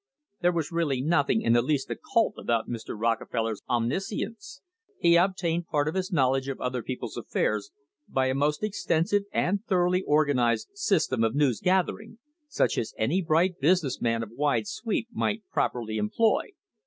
There was really nothing in the least occult about Mr. Rockefeller's omniscience. He obtained part of THE HISTORY OF THE STANDARD OIL COMPANY his knowledge of other people's affairs by a most extensive and thoroughly organised system of news gathering, such as any bright business man of wide sweep might properly em ploy.